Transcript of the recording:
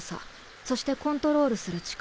そしてコントロールする力。